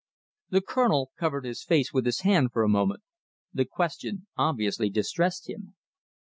The Colonel covered his face with his hand for a moment. The question obviously distressed him.